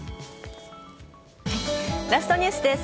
ラストニュースです。